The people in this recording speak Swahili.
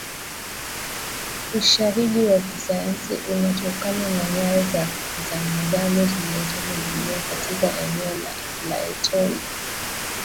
Ushahidi wa kisayansi unatokana na nyayo za zamadamu zilizogunduliwa katika eneo la Laetoli